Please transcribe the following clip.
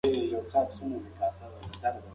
د ژوند بار یو ځای یوسئ.